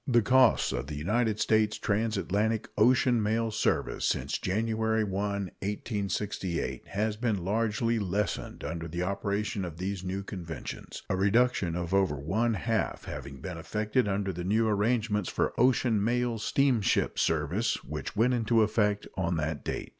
The cost of the United States transatlantic ocean mail service since January 1, 1868, has been largely lessened under the operation of these new conventions, a reduction of over one half having been effected under the new arrangements for ocean mail steamship service which went into effect on that date.